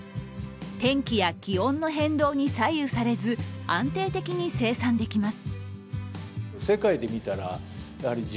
天気や気温の変動に左右されず安定的に生産できます。